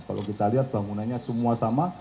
kalau kita lihat bangunannya semua sama